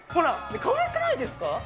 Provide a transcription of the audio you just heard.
かわいくないですか？